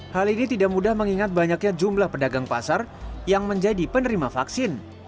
hal ini tidak mudah mengingat banyaknya jumlah pedagang pasar yang menjadi penerima vaksin